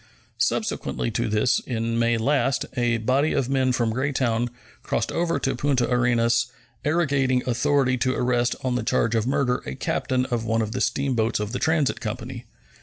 Subsequently to this, in May last, a body of men from Greytown crossed over to Punta Arenas, arrogating authority to arrest on the charge of murder a captain of one of the steamboats of the Transit Company.